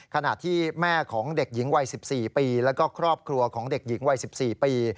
ขณะที่แม่ของเด็กหญิงวัย๑๔ปีแล้วก็ครอบครัวของเด็กหญิงวัย๑๔ปี